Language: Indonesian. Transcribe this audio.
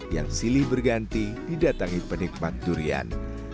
yang silih berganti didatangi penikmat durian